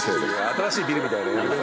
新しいビルみたい。